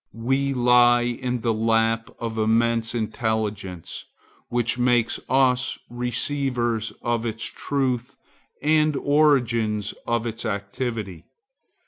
We lie in the lap of immense intelligence, which makes us receivers of its truth and organs of its activity.